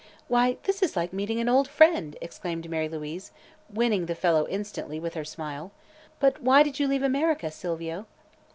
"Why, this is like meeting an old friend!" exclaimed Mary Louise, winning the fellow instantly with her smile. "But why did you leave America, Silvio?"